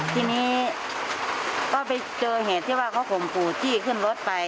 ทีนี้ก็ไปเจอเหตุที่ว่าเขาข่มขู่จี้ขึ้นรถไป